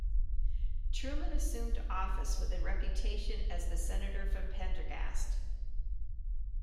Truman assumed office with a reputation as the Senator from Pendergast.